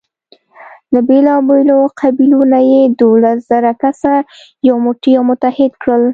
له بېلابېلو قبیلو نه یې دولس زره کسه یو موټی او متحد کړل.